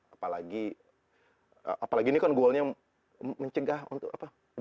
apalagi ini kan goalnya mencegah untuk apa